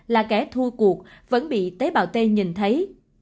là kẻ thua cuộc vẫn bị tế bào tây nhìn thấy